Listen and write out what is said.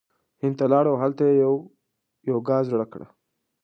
هند ته لاړ او هلته یی یوګا زړه کړه